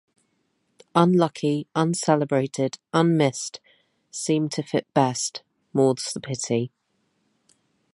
Unlucky Uncelebrated Unmissed seem to fit best, more's the pity.